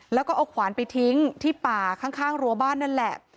แล้วก็เอาขวานไปทิ้งที่ป่าข้างรัวบ้านนั่นแหละ